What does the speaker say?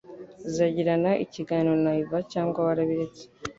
Uzagirana ikiganiro na yvan cyangwa warabiretse?